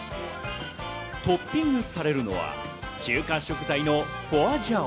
トッピングされるのは中華食材の花椒。